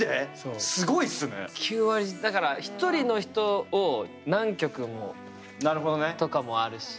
だから１人の人を何曲もとかもあるし。